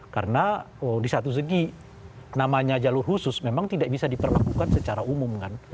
karena di satu segi namanya jalur khusus memang tidak bisa diperlakukan secara umum kan